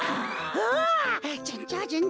おおじゅんちょうじゅんちょう！